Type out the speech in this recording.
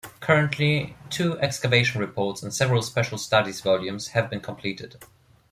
Currently two Excavation Reports and several Special Studies volumes have been completed.